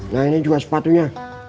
nah ini juga sepatunya